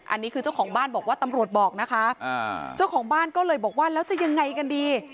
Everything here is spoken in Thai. อันนี้คือเจ้าของบ้านบอกว่าตำรวจบอกนะคะเจ้าของบ้านก็เลยบอกว่าแล้วจะยังไงกันดี